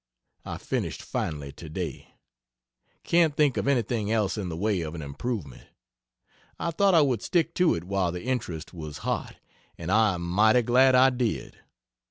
I finished finally today. Can't think of anything else in the way of an improvement. I thought I would stick to it while the interest was hot and I am mighty glad I did.